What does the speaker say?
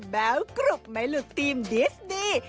แบบกรุบไมลุทีมดิสดี